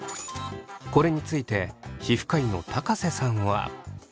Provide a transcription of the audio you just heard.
これについて皮膚科医の瀬さんは。